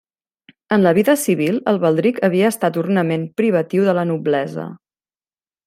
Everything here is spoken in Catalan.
En la vida civil el baldric havia estat ornament privatiu de la noblesa.